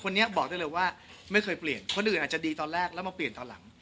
บอกได้เลยว่าไม่เคยเปลี่ยนคนอื่นอาจจะดีตอนแรกแล้วมาเปลี่ยนตอนหลัง